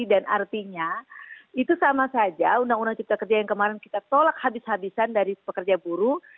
dan artinya itu sama saja undang undang ciptakerja yang kemarin kita tolak habis habisan dari pekerja buruh